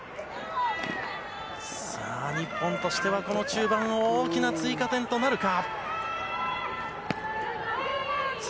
さあ日本としては、この中盤大きな追加点となるか。